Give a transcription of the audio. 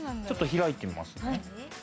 ちょっと開いてみます。